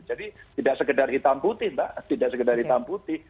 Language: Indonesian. jadi tidak sekedar hitam putih mbak tidak sekedar hitam putih